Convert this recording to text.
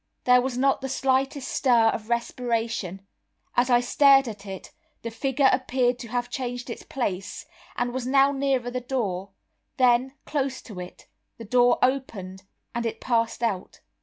There was not the slightest stir of respiration. As I stared at it, the figure appeared to have changed its place, and was now nearer the door; then, close to it, the door opened, and it passed out.